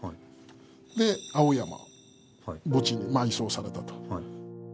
で青山墓地に埋葬されたと。